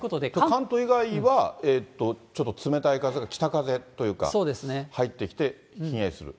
関東以外は、ちょっと冷たい風が、北風というか、入ってきて、ひんやりする。